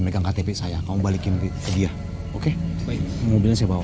megang ktp saya kamu balikin dia oke mobilnya saya bawa